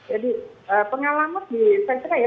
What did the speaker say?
jadi pengalaman di saya kira ya